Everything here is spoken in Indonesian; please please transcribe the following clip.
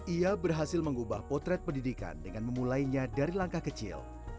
ia berhasil mengubah potret pendidikan dengan memulainya dari langkah kecil